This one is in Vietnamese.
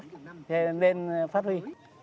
thế nên phát huy